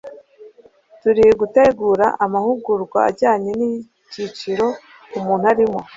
turi gutegura amahugurwa ajyanye n'icyiciro umuntu arimo.